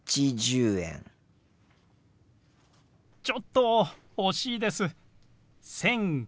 ちょっと惜しいです。